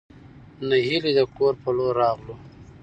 نهېلى د کور په لور راغلو.